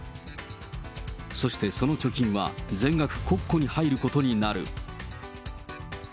そしてその貯金は全額、国庫に入ることになる。